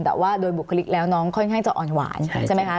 แต่ว่าโดยบุคลิกแล้วน้องค่อนข้างจะอ่อนหวานใช่ไหมคะ